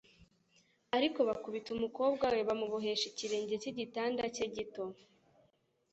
Ariko bakubita umukobwa we bamubohesha ikirenge cy'igitanda cye gito;